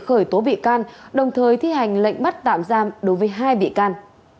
khởi tố bị can đồng thời thi hành lệnh bắt tạm giam đối với hai bị can